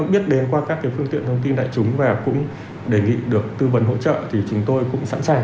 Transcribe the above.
biết đến qua các phương tiện thông tin đại chúng và cũng đề nghị được tư vấn hỗ trợ thì chúng tôi cũng sẵn sàng